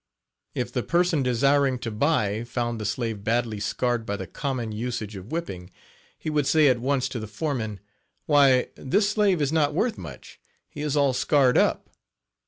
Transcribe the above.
If the person desiring to buy found the slave badly scarred by the common usage of whipping, he would say at once to the foreman: "Why! this slave is not worth much, he is all scarred up.